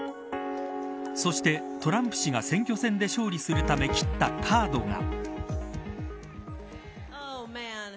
そしてトランプ氏が選挙戦で勝するため切ったカードが。